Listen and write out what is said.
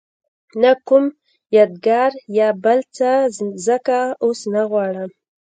نه کوم یادګار یا بل څه ځکه اوس نه غواړم.